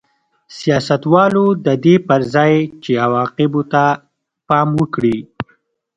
سیاستوالو د دې پر ځای چې عواقبو ته پام وکړي